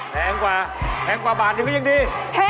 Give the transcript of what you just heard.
แพงกว่าแพงกว่าบาทที่พี่เอ๋ใช้